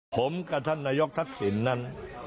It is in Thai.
ผมกับท่านนายกทักษิณนั้น